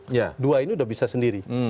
iya dua ini sudah bisa sendiri